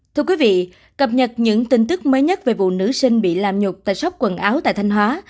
thưa quý vị cập nhật những tin tức mới nhất về vụ nữ sinh bị làm nhục tại sóc quần áo tại thanh hóa